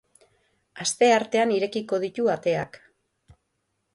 Asteartean irekiko ditu ateak.